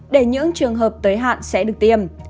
để những trường hợp tới hạn sẽ được tiêm